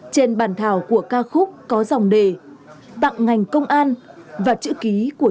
trên bản thảo của ca khúc có dòng đề tặng ngành công an và chữ ký